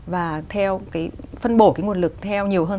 và phân bổ cái nguồn lực theo nhiều hơn